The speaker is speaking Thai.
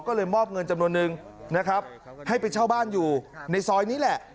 ก็เลยมอบเงินจำนวนนึงนะครับให้ไปเช่าบ้านอยู่ในซอยนี้แหละ